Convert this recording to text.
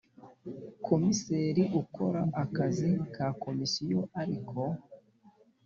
Komiseri ukora akazi ka Komisiyo ariko